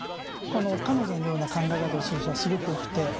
この彼女のような考え方をする人はすごく多くて。